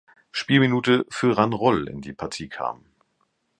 Spielminute für Ran Roll in die Partie kam.